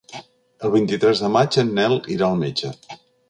El vint-i-tres de maig en Nel irà al metge.